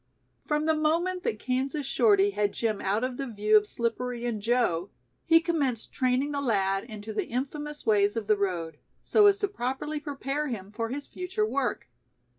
From the moment that Kansas Shorty had Jim out of the view of Slippery and Joe, he commenced training the lad into the infamous ways of the road, so as to properly prepare him for his future work.